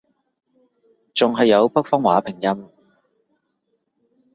仲係有北方話拼音